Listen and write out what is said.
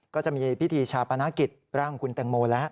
ก็จะมีพิธีชาปนกิจร่างคุณแตงโมแล้ว